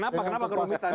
kenapa kenapa kerumitan